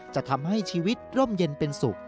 จะทำให้ชีวิตร่มเย็นเป็นสุข